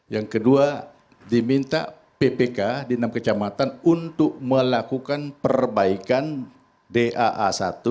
yang kedua diminta ppk di enam kecamatan untuk melakukan perbaikan daa satu